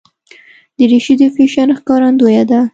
دریشي د فیشن ښکارندویه ده.